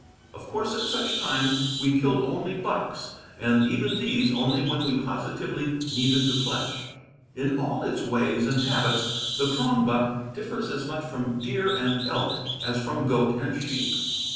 Of course at such times we killed only bucks, and even these only when we positively needed the flesh. In all its ways and habits the prongbuck differs as much from deer and elk as from goat and sheep.